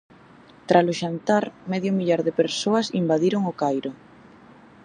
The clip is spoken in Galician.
Tralo xantar medio millar de persoas invadiron o Cairo.